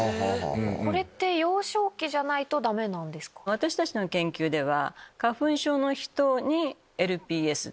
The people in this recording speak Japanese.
私たちの研究では。